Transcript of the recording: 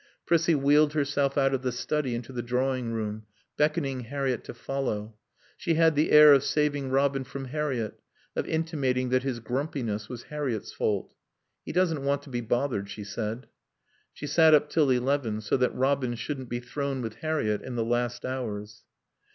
Prissie wheeled herself out of the study into the drawing room, beckoning Harriett to follow. She had the air of saving Robin from Harriett, of intimating that his grumpiness was Harriett's fault. "He doesn't want to be bothered," she said. She sat up till eleven, so that Robin shouldn't be thrown with Harriett in the last hours.